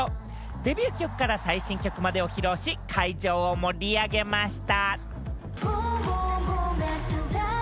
デビュー曲から最新曲までを披露し、会場を盛り上げました。